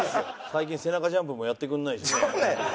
最近背中ジャンプもやってくれないしね。